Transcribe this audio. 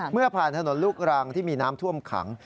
เมื่อผ่านถนนลูกรังที่มีน้ำท่วมขัง